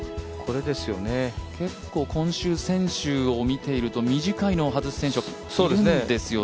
結構今週、選手を見ていると短いのを外す選手がいるんですよね。